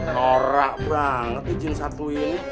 norak banget izin satu ini